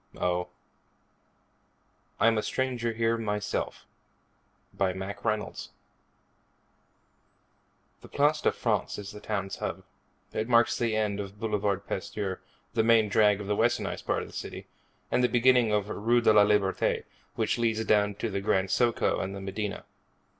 Oh,_ I'm A Stranger Here Myself By MACK REYNOLDS The Place de France is the town's hub. It marks the end of Boulevard Pasteur, the main drag of the westernized part of the city, and the beginning of Rue de la Liberté, which leads down to the Grand Socco and the medina.